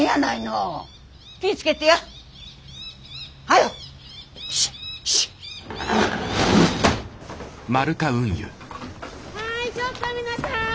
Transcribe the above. はいちょっと皆さん！